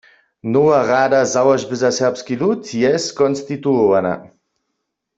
Nowa rada Załožby za serbski lud je skonstituowana.